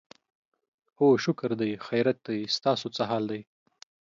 هو شکر دی، خیریت دی، ستاسو څه حال دی؟